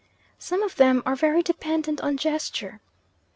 Some of them are very dependent on gesture.